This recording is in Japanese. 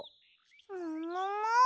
ももも？